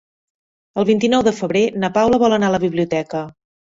El vint-i-nou de febrer na Paula vol anar a la biblioteca.